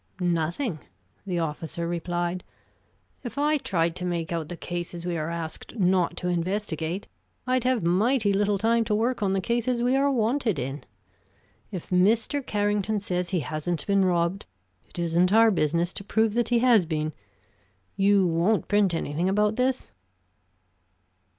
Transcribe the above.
"Nothing," the officer replied. "If I tried to make out the cases we are asked not to investigate, I'd have mighty little time to work on the cases we are wanted in. If Mr. Carrington says he hasn't been robbed, it isn't our business to prove that he has been. You won't print anything about this?"